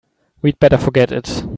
We'd better forget it.